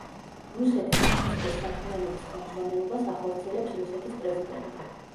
რუსეთის ფსბ-ს საქმიანობის ხელმძღვანელობას ახორციელებს რუსეთის პრეზიდენტი.